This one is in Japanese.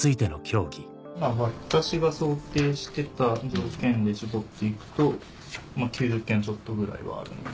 私が想定してた条件で絞って行くと９０件ちょっとぐらいはあるんで。